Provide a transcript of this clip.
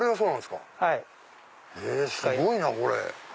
すごいなこれ。